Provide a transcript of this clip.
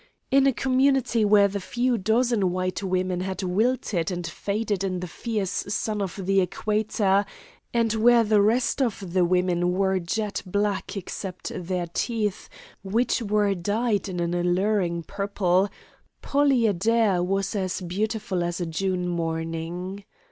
In a community where the few dozen white women had wilted and faded in the fierce sun of the equator, and where the rest of the women were jet black except their teeth, which were dyed an alluring purple, Polly Adair was as beautiful as a June morning.